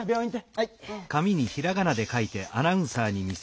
はい。